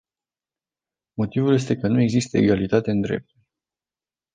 Motivul este că nu există egalitate în drepturi.